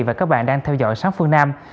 và các bạn đang theo dõi sáng phương nam